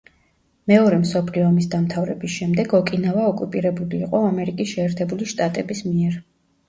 მეორე მსოფლიო ომის დამთავრების შემდეგ, ოკინავა ოკუპირებული იყო ამერიკის შეერთებული შტატების მიერ.